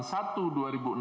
berpotensi terus berjalan